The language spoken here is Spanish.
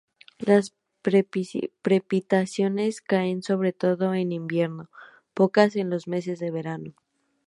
Las precipitaciones caen sobre todo en invierno, pocas en los meses de verano.